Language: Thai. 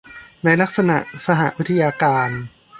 ในลักษณะสหวิทยาการ